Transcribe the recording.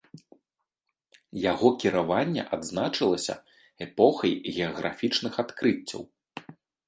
Яго кіраванне адзначылася эпохай геаграфічных адкрыццяў.